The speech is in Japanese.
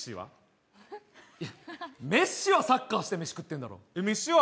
メッシはサッカーしてメシ食ってるだろ。